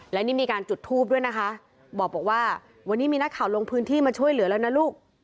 และนี่มีการจุดทูปด้วยนะคะบอกว่าวันนี้มีนักข่าวลงพื้นที่มาช่วยเหลือแล้วนะลูก